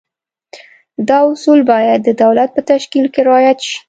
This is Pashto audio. دا اصول باید د دولت په تشکیل کې رعایت شي.